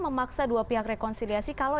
memaksa dua pihak rekonsiliasi kalau